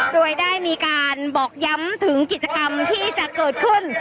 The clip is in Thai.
โดยได้มีการบอกย้ำถึงกิจกรรมที่จะเกิดขึ้น